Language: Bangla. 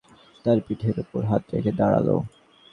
কুমু না বসে একটা চৌকির পিছনে তার পিঠের উপর হাত রেখে দাঁড়াল।